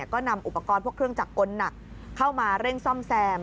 ก็นำอุปกรณ์พวกเครื่องจักรกลหนักเข้ามาเร่งซ่อมแซม